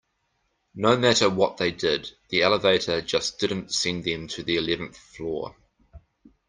No matter what they did, the elevator just didn't send them to the eleventh floor.